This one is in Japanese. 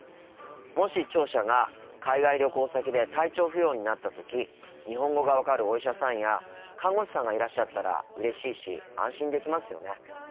もし聴者が海外旅行先で体調不良になった時日本語が分かるお医者さんや看護師さんがいらっしゃったらうれしいし安心できますよね。